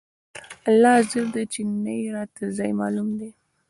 الله حاضر دى چې نه يې راته ځاى معلوم دى.